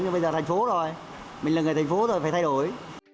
nhưng bây giờ thành phố rồi mình là người thành phố rồi phải thay đổi